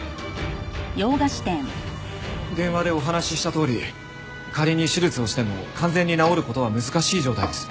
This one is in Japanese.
電話でお話ししたとおり仮に手術をしても完全に治る事は難しい状態です。